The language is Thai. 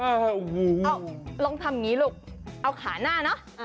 โอ้โหลองทำอย่างนี้ลูกเอาขาหน้าเนอะ